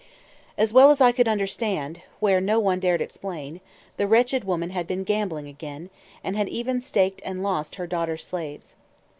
As well as I could understand, where no one dared explain, the wretched woman had been gambling again, and had even staked and lost her daughter's slaves.